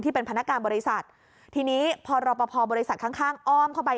เป็นพนักงานบริษัททีนี้พอรอปภบริษัทข้างข้างอ้อมเข้าไป